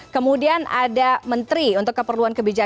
kemudian ada menteri untuk keperluan kebijakan